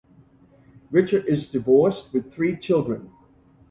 Richer is divorced with three children.